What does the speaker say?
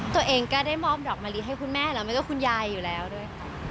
ตัวเองก็ได้มอบดอกมะลิให้คุณแม่แล้วมันก็คุณยายอยู่แล้วด้วยค่ะ